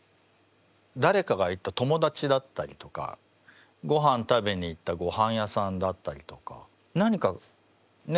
誰かが言った友達だったりとかごはん食べに行ったごはん屋さんだったりとか何かね